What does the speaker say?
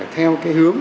theo cái hướng